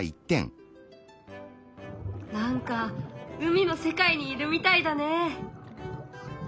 何か海の世界にいるみたいだね！